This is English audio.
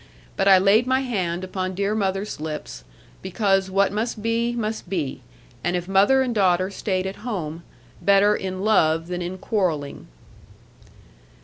But I laid my hand upon dear mother's lips; because what must be, must be; and if mother and daughter stayed at home, better in love than in quarrelling.